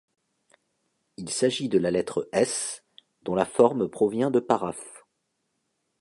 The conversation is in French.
Il s’agit de la lettre S dont la forme provient de paraphe.